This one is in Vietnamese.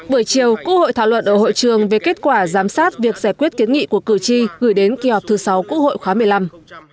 buổi chiều quốc hội thảo luận ở hội trường về kết quả giám sát việc giải quyết kiến nghị của cử tri gửi đến kỳ họp thứ sáu quốc hội khóa một mươi năm